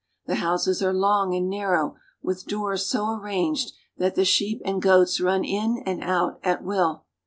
The houses are long and narrow, with doors so arranged that the sheep and goats run in and out at will.